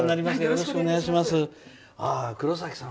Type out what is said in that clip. よろしくお願いします。